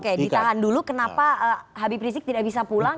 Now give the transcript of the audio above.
oke ditahan dulu kenapa habib rizik tidak bisa pulang